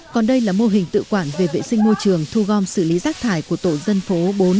còn đây là mô hình tự quản về vệ sinh môi trường thu gom xử lý rác thải của tổ dân phố bốn